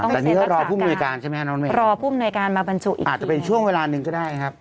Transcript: แต่นี่ก็รอผู้หน่วยการใช่ไหมฮะน้องอันนี้อาจจะเป็นช่วงเวลาหนึ่งก็ได้ครับ